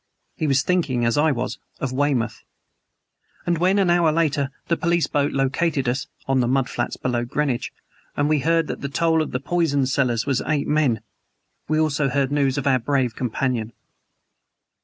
He was thinking, as I was, of Weymouth. And when, an hour later, the police boat located us (on the mud flats below Greenwich) and we heard that the toll of the poison cellars was eight men, we also heard news of our brave companion.